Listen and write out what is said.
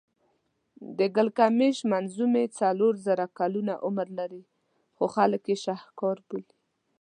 د ګیلګمېش منظومې څلور زره کلونه عمر لري خو خلک یې شهکار بولي.